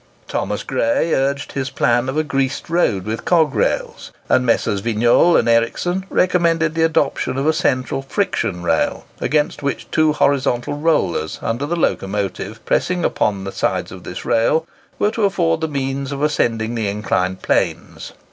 Thomas Gray urged his plan of a greased road with cog rails; and Messrs. Vignolles and Ericsson recommended the adoption of a central friction rail, against which two horizontal rollers under the locomotive, pressing upon the sides of this rail, were to afford the means of ascending the inclined planes.